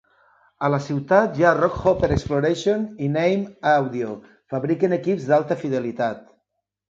A la ciutat hi ha Rockhopper Exploration i Naim Audio fabriquen equips d'alta fidelitat.